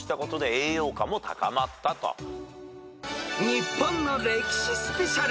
［日本の歴史スペシャル］